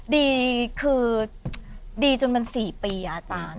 ดีคือดีจนมัน๔ปีอาจารย์